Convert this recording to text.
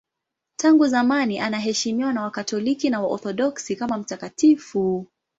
Tangu zamani anaheshimiwa na Wakatoliki na Waorthodoksi kama mtakatifu.